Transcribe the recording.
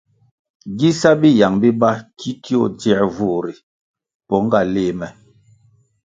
Gi sa biyang biba ki tio dzier vur ri pong nga léh me.